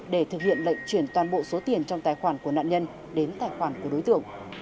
để thực hiện lệnh chuyển toàn bộ số tiền trong tài khoản của nạn nhân đến tài khoản của đối tượng